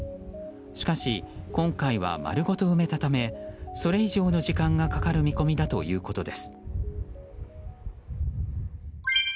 しかし今回は丸ごと埋めたためそれ以上の時間がかかる見込みだということです。